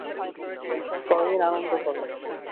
কয়দিন আনন্দ কর।